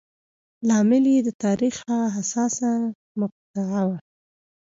لامل یې د تاریخ هغه حساسه مقطعه وه.